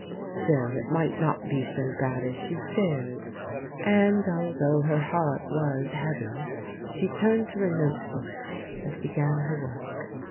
Still it might not be so bad as she feared, and although her heart was heavy she turned to her note book and began her work.